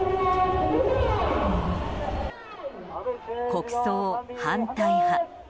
国葬反対派。